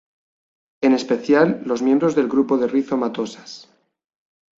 En especial los miembros del grupo de rizomatosas.